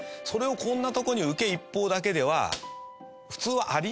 それをこんなとこに受け一方だけでは。